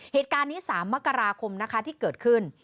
เหตุการณ์นี้๓มกราคมนะคะที่เกิดขึ้น